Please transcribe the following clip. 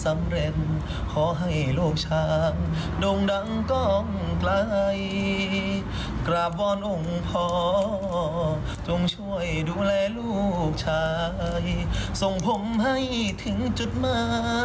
เราให้ชมคลิปกันสักนิดนึงค่ะ